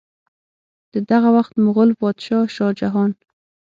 د دغه وخت مغل بادشاه شاه جهان